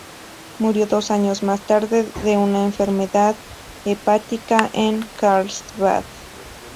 Murió dos años más tarde de una enfermedad hepática en Karlsbad.